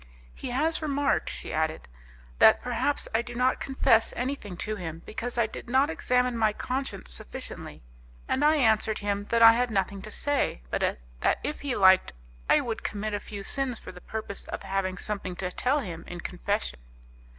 "He has remarked," she added, "that perhaps I do not confess anything to him because I did not examine my conscience sufficiently, and I answered him that I had nothing to say, but that if he liked I would commit a few sins for the purpose of having something to tell him in confession."